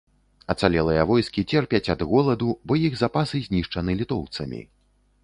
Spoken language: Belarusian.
Ацалелыя войскі церпяць ад голаду, бо іх запасы знішчаны літоўцамі.